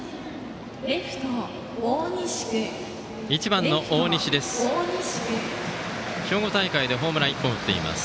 １番の大西です。